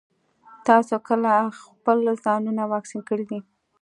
تاسو کله خپل ځانونه واکسين کړي دي؟